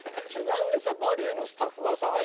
何でさ「バリュー」のスタッフはさあ